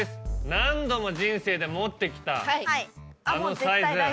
何度も人生で持ってきたあのサイズ。